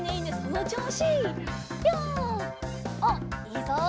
おっいいぞ！